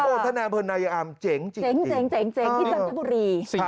โทษทะนายพลนายอามเจ๋งจริงที่จันทบุรี